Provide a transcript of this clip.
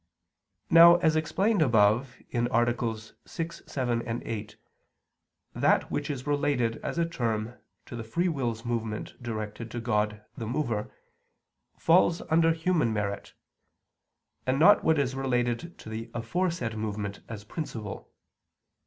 Now as explained above (AA. 6, 7, 8), that which is related as a term to the free will's movement directed to God the mover, falls under human merit; and not what is related to the aforesaid movement as principle.